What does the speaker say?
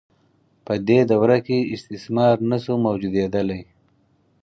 په دې دوره کې استثمار نشو موجودیدلای.